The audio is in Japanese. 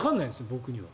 僕には。